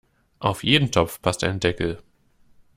Auf jeden Topf passt ein Deckel.